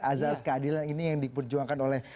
azas keadilan ini yang diperjuangkan oleh